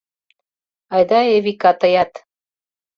— Айда, Эвика, тыят...